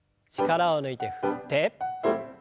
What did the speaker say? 力を抜いて振って。